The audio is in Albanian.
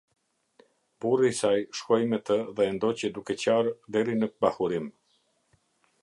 Burri i saj shkoi me të dhe e ndoqi duke qarë deri në Bahurim.